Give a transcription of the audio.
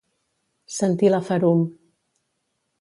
Sentir la ferum.